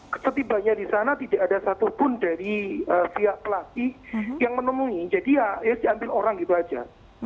kesetibanya di sana tidak ada satupun dari pihak pelatih yang menemui jadi ya diambil orang gitu aja